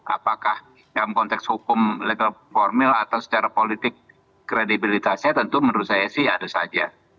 apakah dalam konteks hukum legal formal atau secara politik kredibilitasnya tentu menurut saya sih ada saja